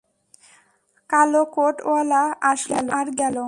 কালো কোট ওয়ালা, আসলো, আর গেলো।